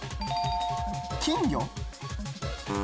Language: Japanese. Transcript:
金魚。